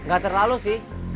gak terlalu sih